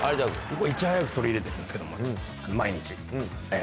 僕いち早く取り入れてるんですけども毎日。